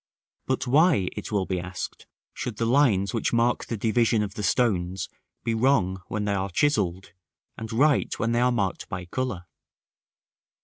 § III. But why, it will be asked, should the lines which mark the division of the stones be wrong when they are chiselled, and right when they are marked by color?